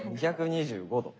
２２５度。